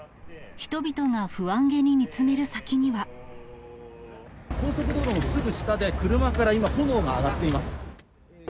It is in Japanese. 人々が不安げに見つめる先に高速道路のすぐ下で、車から今、炎が上がっています。